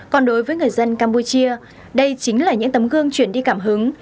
còn đối với người dân campuchia đây chính là những tấm gương chuyển đi cảm hứng